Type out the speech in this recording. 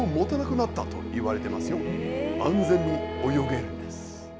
安全に泳げるんです。